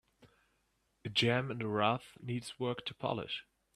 A gem in the rough needs work to polish.